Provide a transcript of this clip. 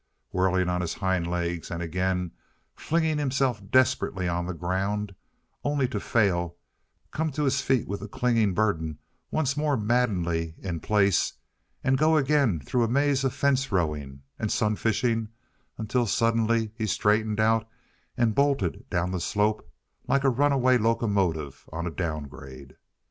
Whirling on his hind legs, and again flinging himself desperately on the ground, only to fail, come to his feet with the clinging burden once more maddeningly in place, and go again through a maze of fence rowing and sun fishing until suddenly he straightened out and bolted down the slope like a runaway locomotive on a downgrade.